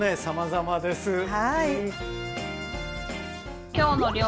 さまざまです。